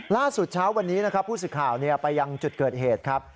เช้าวันนี้นะครับผู้สื่อข่าวไปยังจุดเกิดเหตุครับ